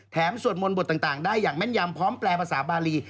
สวดมนต์บทต่างได้อย่างแม่นยำพร้อมแปลภาษาบาลี